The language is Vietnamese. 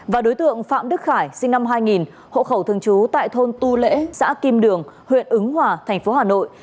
và đối tượng phạm đức khải sinh năm hai nghìn hộ khẩu thường trú tại thôn tu lễ xã kim đường huyện ứng hòa thành phố hà nội